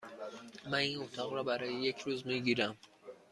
من این اتاق را برای یک روز می گیرم.